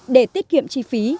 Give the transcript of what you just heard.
để tiết kiệm chi phí